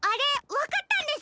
わかったんですか？